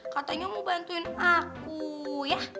katanya mau bantuin aku ya